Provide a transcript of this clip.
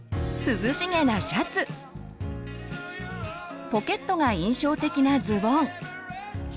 涼しげなシャツポケットが印象的なズボン